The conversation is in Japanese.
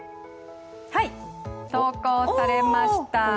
投稿されました。